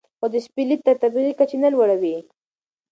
خو د شپې لید تر طبیعي کچې نه لوړوي.